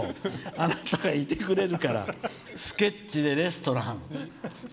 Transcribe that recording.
あなたがいてくれるからスケッチでレストラン。